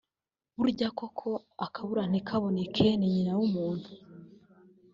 Burya koko akabura ntikaboneke ni nyina w'umuntu